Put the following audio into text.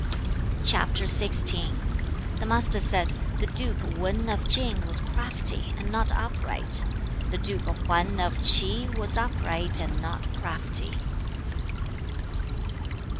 CHAP. XVI. The Master said, 'The duke Wan of Tsin was crafty and not upright. The duke Hwan of Ch'i was upright and not crafty.'